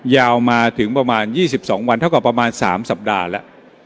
ยาวมาถึงประมาณยี่สิบสองวันเท่ากับประมาณสามสัปดาห์แล้ว